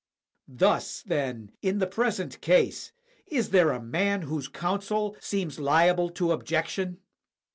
Thus, then, in the present case, is there a man whose counsel seems liable to objection?